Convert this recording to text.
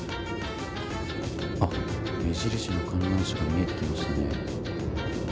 目印の患者車が見えてきましたね。